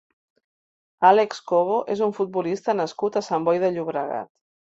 Álex Cobo és un futbolista nascut a Sant Boi de Llobregat.